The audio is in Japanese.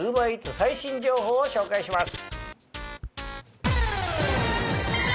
最新情報を紹介します。